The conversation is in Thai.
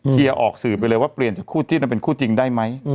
ออกสื่อไปเลยว่าเปลี่ยนจากคู่จิ้นเป็นคู่จริงได้ไหม